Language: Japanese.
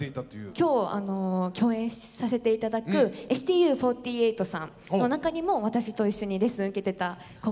今日共演させて頂くＳＴＵ４８さんの中にも私と一緒にレッスン受けてた子がいたりとか。